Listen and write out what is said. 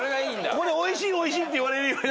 「これおいしいおいしい」って言われるより。